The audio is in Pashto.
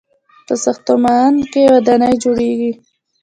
په ساختمان کې ودانۍ جوړیږي.